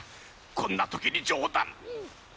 こんな時に冗談。